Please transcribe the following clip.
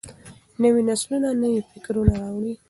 نوي نسلونه نوي فکرونه راوړي.